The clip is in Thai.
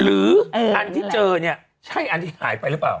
หรืออันที่เจอเนี่ยใช่อันที่หายไปหรือเปล่า